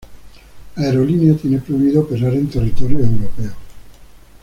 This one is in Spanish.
La aerolínea tiene prohibido operar en territorio europeo.